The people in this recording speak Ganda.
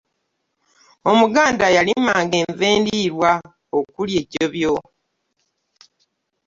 omuganda yalima nga enva endirwa okuli ejjobyo